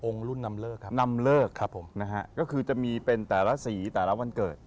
รุ่นนำเลิกครับนำเลิกครับผมนะฮะก็คือจะมีเป็นแต่ละสีแต่ละวันเกิด